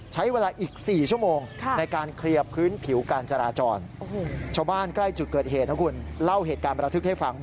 ใช้เวลาอีก๔ชั่วโมง